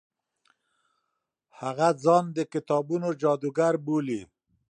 هغه ځان د کتابونو جادوګر بولي.